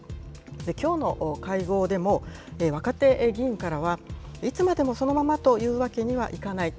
きょうの会合でも、若手議員からは、いつまでもそのままというわけにはいかない。